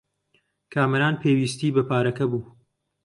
کامەران پێویستیی بە پارەکە بوو.